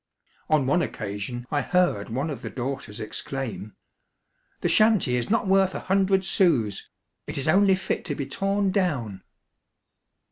On one occasion I heard one of the daughters exclaim, —" The shanty is not worth a hundred sous. It is only fit to be torn down."